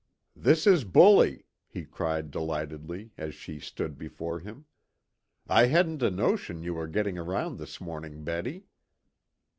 "This is bully," he cried delightedly, as she stood before him. "I hadn't a notion you were getting around this morning, Betty."